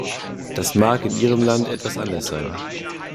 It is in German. Das mag in ihrem Land etwas anders sein.